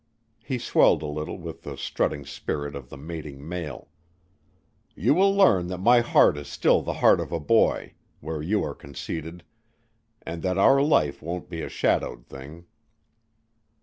He swelled a little with the strutting spirit of the mating male. "You will learn that my heart is still the heart of a boy where you are conceded and that our life won't be a shadowed thing."